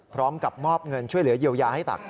พร้อมกับมอบเงินช่วยเหลือเยียวยาให้ตัก